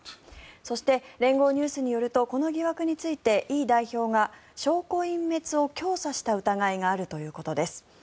そして、連合ニュースによるとこの疑惑についてイ代表が証拠隠滅を教唆した疑いがあるということです。